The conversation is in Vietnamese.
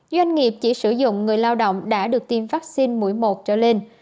doanh nghiệp chỉ sử dụng người lao động đã được tiêm vaccine mũi một trở lên